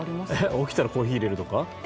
起きたらコーヒーいれるとか？